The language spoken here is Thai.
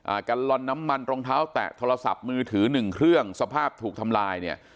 กัลลอนน้ำมันรองเท้าแตะโทรศัพท์มือถือหนึ่งเครื่องสภาพถูกทำลายเนี่ย